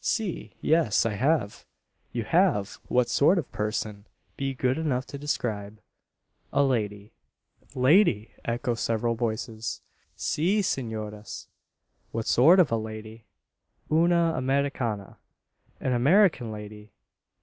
"Si yes I have." "You have! What sort of person? Be good enough to describe " "A lady." "Lady!" echo several voices. "Si, senores." "What sort of a lady?" "Una Americana." "An American lady!